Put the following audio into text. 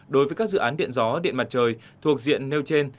đối với các dự án điện gió điện mặt trời thuộc diện nêu trên